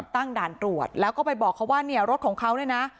ด่านตรวจแล้วก็ไปบอกเขาว่าเนี่ยรถของเขาเนี่ยนะ